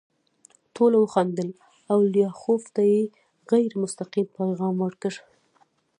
ټولو وخندل او لیاخوف ته یې غیر مستقیم پیغام ورکړ